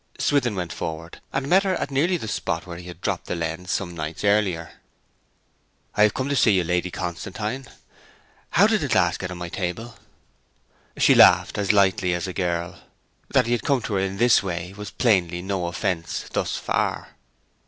Swithin went forward, and met her at nearly the spot where he had dropped the lens some nights earlier. 'I have come to see you, Lady Constantine. How did the glass get on my table?' She laughed as lightly as a girl; that he had come to her in this way was plainly no offence thus far.